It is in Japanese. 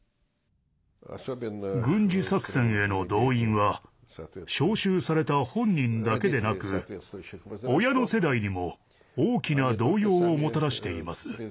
軍事作戦への動員は招集された本人だけでなく親の世代にも大きな動揺をもたらしています。